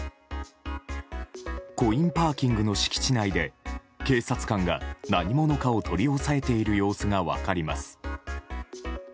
コインパーキングの敷地内で警察官が何者かを取り押さえている様子が分かります。